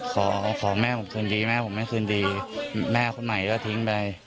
ขอขอแม่ผมคืนดีแม่ผมไม่คืนดีแม่คนใหม่ก็ทิ้งไป